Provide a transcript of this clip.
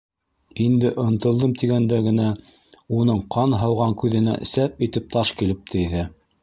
Инде ынтылдым тигәндә генә уның ҡан һауған күҙенә сәп итеп таш килеп тейҙе.